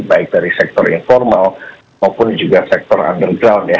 baik dari sektor informal maupun juga sektor underground ya